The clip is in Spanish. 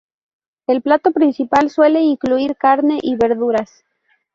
El plato principal suele incluir carne y verduras.